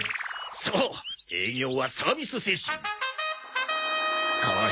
そう営業はサービス精神。